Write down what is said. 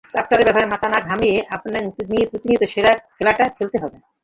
চাপটাপের ব্যাপারে মাথা না ঘামিয়েই আপনাকে প্রতিনিয়ত সেরা খেলাটা খেলতে হবে।